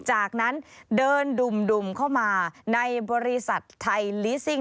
จากนั้นเดินดุ่มเข้ามาในบริษัทไทยลิซิ่ง